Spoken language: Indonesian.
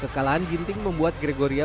kekalahan ginting membuat gregoria